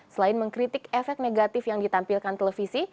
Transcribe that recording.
selain mengkritik efek negatif yang ditampilkan televisi